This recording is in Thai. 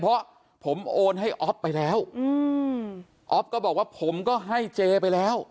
เพราะผมโอนให้อ๊อฟไปแล้วอืมอ๊อฟก็บอกว่าผมก็ให้เจไปแล้ว